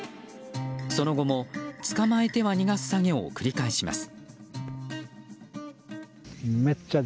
その後も、捕まえては逃がす作業を繰り返します。